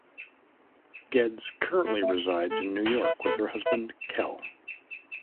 Geddes currently resides in New York with her husband Kel.